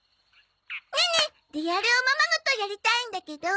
ネネリアルおままごとやりたいんだけど。